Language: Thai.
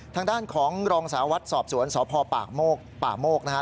ทางด้านของรองสาววัดสอบสวนสพป่าโมกนะฮะ